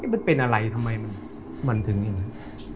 มันเป็นอะไรทำไมมันถึงอย่างนั้น